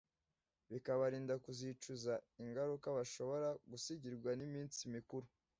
bikabarinda kuzicuza ingaruka bashobora gusigirwa n’iminsi mikuru